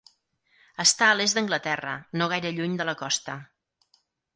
Està a l'Est d'Anglaterra, no gaire lluny de la costa.